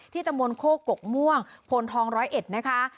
ที่ตะมนต์โคกกกกม่วงโพนทองร้อยเอ็ดนะคะ